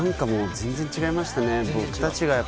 何かもう全然違いましたね。